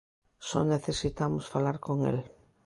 Só necesitamos falar con el.